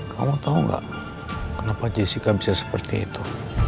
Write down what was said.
kamu tau gak kenapa jessica bisa seperti itu